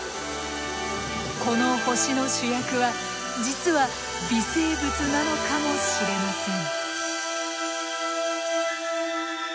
この星の主役は実は微生物なのかもしれません。